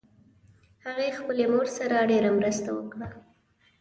هغې خپلې مور سره ډېر مرسته وکړه